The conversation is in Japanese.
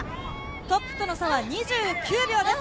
トップとの差は２９秒です。